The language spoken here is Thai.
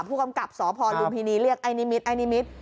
ผู้กำกับสพลุมพินีเรียกไอ้นิมิตไอ้นิมิตร